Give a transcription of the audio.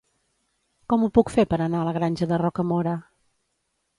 Com ho puc fer per anar a la Granja de Rocamora?